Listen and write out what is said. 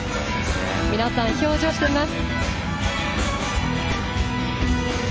皆さん、いい表情をしています！